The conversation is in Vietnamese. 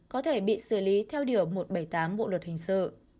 có thể bị xử lý theo điều một trăm bảy mươi tám bộ luật hình sự